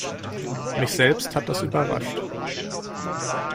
Mich selbst hat das überrascht.